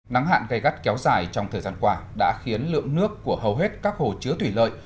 nắng hạn gây gắt kéo dài trong thời gian qua đã khiến lượng nước của hầu hết các hồ chứa thủy lợi